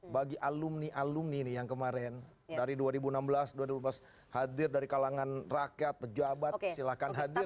bagi alumni alumni nih yang kemarin dari dua ribu enam belas dua ribu lima belas hadir dari kalangan rakyat pejabat silahkan hadir